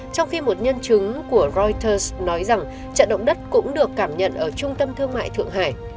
trong khi một nhân chứng của reuters nói rằng trận động đất cũng được cảm nhận ở trung tâm thương mại thượng hải